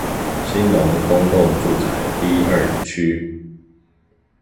興隆公共住宅 D 二區